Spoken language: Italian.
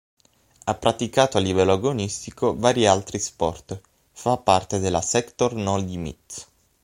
Ha praticato a livello agonistico vari altri sport; fa parte della Sector No Limits.